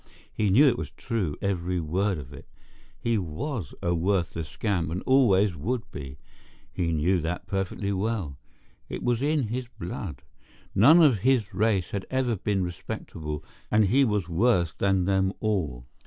He knew it was true, every word of it. He was a worthless scamp and always would be. He knew that perfectly well. It was in his blood. None of his race had ever been respectable and he was worse than them all.